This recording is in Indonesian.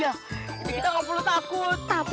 jadi kita gak perlu takut